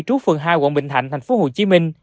trú phường hai quận bình thạnh tp hcm